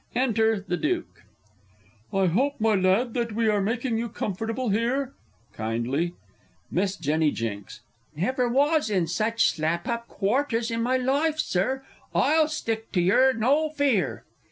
_ Enter the Duke. I hope, my lad, that we are making you comfortable here? [Kindly. Miss J. J. Never was in such slap up quarters in my life, Sir, I'll stick to yer, no fear!